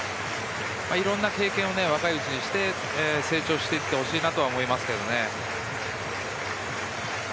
いろいろな経験を若いうちにして成長していってほしいと思います。